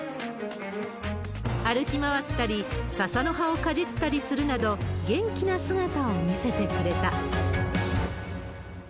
歩き回ったり、ササの葉をかじったりするなど、元気な姿を見せてくれた。